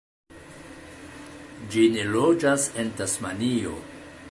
Ĝi ne loĝas en Tasmanio.